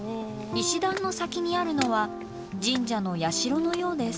石段の先にあるのは神社の社のようです。